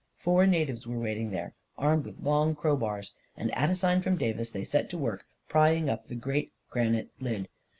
Four natives were waiting there, armed with long crowbars, and at a sign from Davis, they set to work prying up the great granite lid.